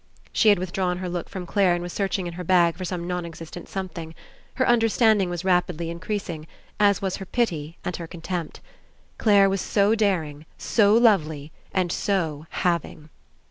She had withdrawn her look from Clare and was search ing in her bag for some non existent something. Her understanding was rapidly increasing, as was her pity and her contempt. Clare was so daring, so lovely, and so "having."